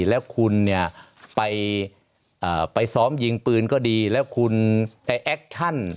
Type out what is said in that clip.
แล้วคุณเนี่ยไปซ้อมยิงปืนก็ดีแล้วคุณไปแอคชั่น